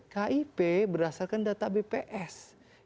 kip berdasarkan data bps